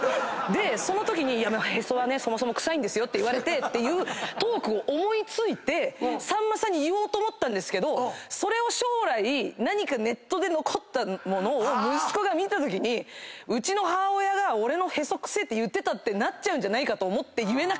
でそのときに「へそはねそもそも臭いんですよ」って言われてっていうトークを思い付いてさんまさんに言おうと思ったんですけどそれを将来何かネットで残ったものを息子が見たときにうちの母親が俺のへそ臭えって言ってたってなっちゃうんじゃないかと思って。